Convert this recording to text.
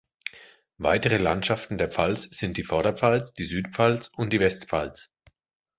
Weitere Landschaften der Pfalz sind die Vorderpfalz, die Südpfalz und die Westpfalz.